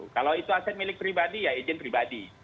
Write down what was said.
kalau itu aset milik pribadi ya izin pribadi